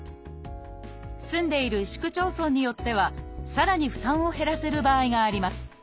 住んでいる市区町村によってはさらに負担を減らせる場合があります。